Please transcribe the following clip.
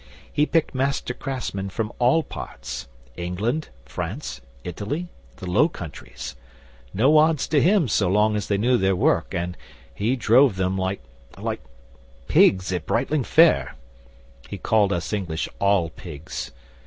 He picked master craftsmen from all parts England, France, Italy, the Low Countries no odds to him so long as they knew their work, and he drove them like like pigs at Brightling Fair. He called us English all pigs.